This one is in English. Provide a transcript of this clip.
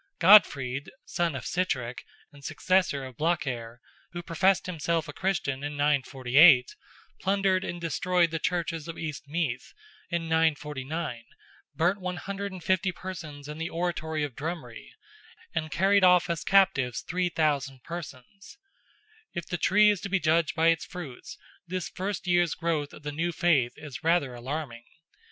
Godfrid, son of Sitrick, and successor of Blacair, who professed himself a Christian in 948, plundered and destroyed the churches of East Meath in 949, burnt 150 persons in the oratory of Drumree, and carried off as captives 3,000 persons. If the tree is to be judged by its fruits, this first year's growth of the new faith is rather alarming.